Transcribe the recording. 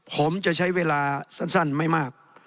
ผมจะใช้เวลาสั้นไม่มาก